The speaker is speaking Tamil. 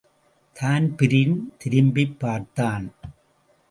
தான்பிரீன் திரும்பிப் பார்த்தான்.